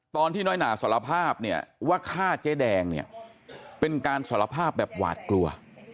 น้อยหนาสารภาพเนี่ยว่าฆ่าเจ๊แดงเนี่ยเป็นการสารภาพแบบหวาดกลัว